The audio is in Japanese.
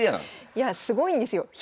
いやすごいんですよ。